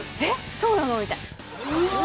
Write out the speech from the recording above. そうなの？みたいな。